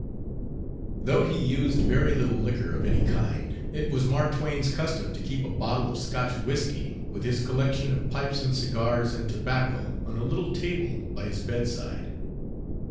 Though he used very little liquor of any kind, it was Mark Twain's custom to keep a bottle of Scotch whiskey with his collection of pipes and cigars and tobacco on a little table by his bed side.